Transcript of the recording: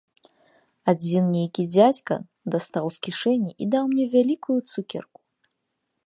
Адзін нейкі дзядзька дастаў з кішэні і даў мне вялікую цукерку.